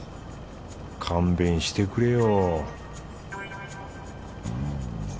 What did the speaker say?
勘弁してくれよ